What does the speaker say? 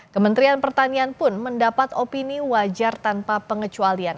kementerian pertanian pun mendapat opini wajar tanpa pengecualian